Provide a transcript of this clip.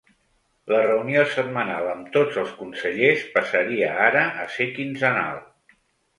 La reunió setmanal amb tots els consellers passaria ara a ser quinzenal.